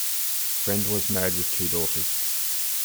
Friend was married with two daughters.